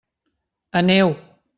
Aneu!